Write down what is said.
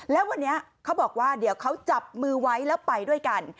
แล้ววันนี้เขาบอกว่าเดี๋ยวเขาจับมือไว้แล้วไปด้วยกัน